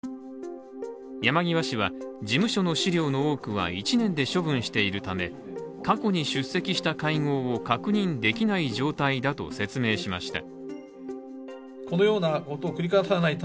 山際氏は、事務所の資料の多くは１年で処分しているため過去に出席した会合を確認できない状態だと説明しました。